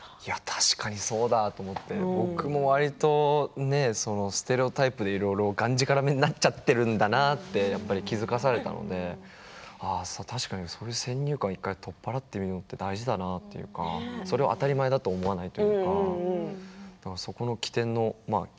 確かにそうだって僕もわりとステレオタイプでいろいろ、がんじがらめになっちゃっているんだなって気付かされたのでああ、確かにそういう先入観を１回取っ払ってみるって大事だなっていうか、それは当たり前だと思わないというか。